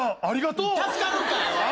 ありがとう。